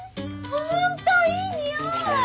ホントいい匂い！